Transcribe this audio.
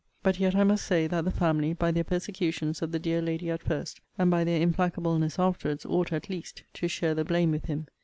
But yet I must say, that the family, by their persecutions of the dear lady at first, and by their implacableness afterwards, ought, at least, to share the blame with him.